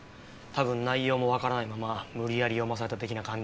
多分内容もわからないまま無理やり読まされた的な感じ。